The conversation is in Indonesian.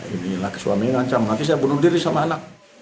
ini laki suami yang ancam laki saya bunuh diri sama anak